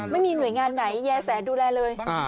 ไม่มีหน่วยงานไหนแย่แสดูแลเลย